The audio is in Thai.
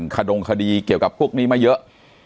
ขดงคดีเกี่ยวกับพวกนี้มาเยอะ